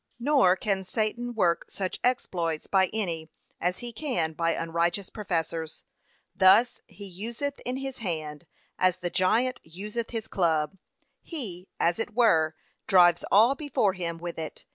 Nor can Satan work such exploits by any, as he can by unrighteous professors. These he useth in his hand, as the giant useth his club; he, as it were, drives all before him with it.